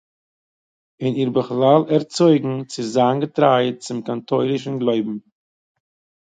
און איר בכלל ערצויגן צו זיין געטריי צום קאטוילישן גלויבן